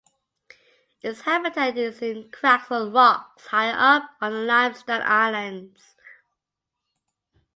Its habitat is in cracks on rocks higher up on the limestone islands.